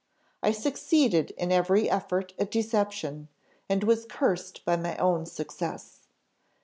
I succeeded in every effort at deception, and was cursed by my own success.